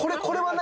何？